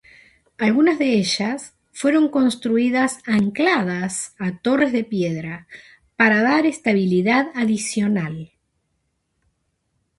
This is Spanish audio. Algunas de ellas fueron construidas ancladas a torres de piedra para dar estabilidad adicional.